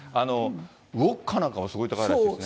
ウォッカなんかもすごい高いですよね。